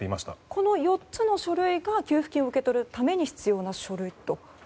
この４つの書類が給付金を受け取るために必要な書類と。